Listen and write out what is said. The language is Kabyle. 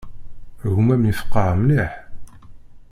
Gma-m yefqeε mliḥ.